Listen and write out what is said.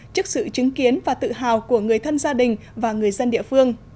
trước sự chứng kiến và tự hào của người thân gia đình và người dân địa phương